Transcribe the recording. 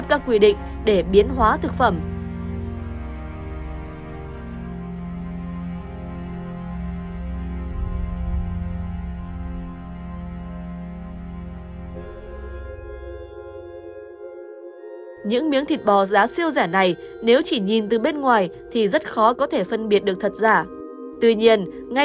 các bạn hãy đăng ký kênh để ủng hộ kênh của mình nhé